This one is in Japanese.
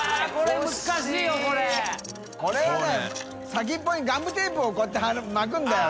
先っぽにガムテープをこうやって巻くんだよ。